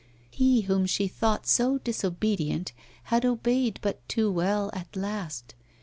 He whom she thought so disobedient had obeyed but too well at last.